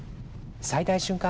最大瞬間